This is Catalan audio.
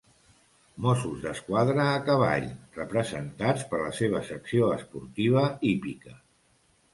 Mossos d'Esquadra a cavall, representats per la seva secció esportiva hípica.